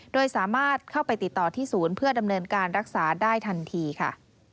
โดยสามารถเข้าไปติดต่อที่ศูนย์เพื่อดำเนินการรักษาได้ทันทีค่ะ